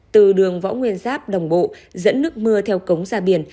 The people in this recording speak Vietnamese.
từ đường võ nguyên giáp đồng bộ dẫn nước mưa theo cống ra biển